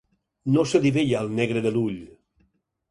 No se li veia el negre de l'ull.